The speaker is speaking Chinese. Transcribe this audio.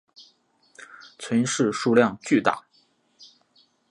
存世数量巨大。